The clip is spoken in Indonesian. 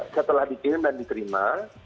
setelah dikirim dan diterima